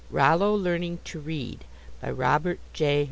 ROLLO LEARNING TO READ BY ROBERT J.